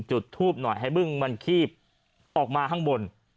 จุดทูบหน่อยให้บึ้งมันคีบออกมาข้างบน